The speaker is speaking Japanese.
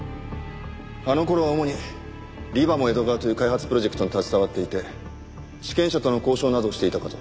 あの頃は主にリバモ江戸川という開発プロジェクトに携わっていて地権者との交渉などをしていたかと。